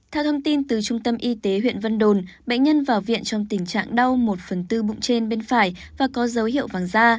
theo thông tin từ trung tâm y tế huyện vân đồn bệnh nhân vào viện trong tình trạng đau một phần tư bụng trên bên phải và có dấu hiệu vàng da